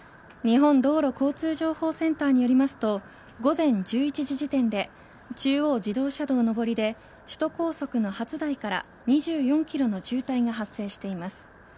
日本道路交通情報センターによりますと午前１１時時点で中央自動車道上りで首都高速の初台から２４ｋｍの渋滞が発生しています。